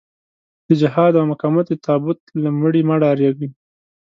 د جهاد او مقاومت د تابوت له مړي مه ډارېږئ.